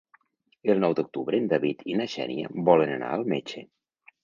El nou d'octubre en David i na Xènia volen anar al metge.